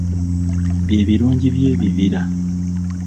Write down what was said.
Bye birungi by'ebibira.